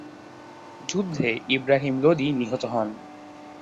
যুদ্ধে ইবরাহিম লোদি নিহত হন।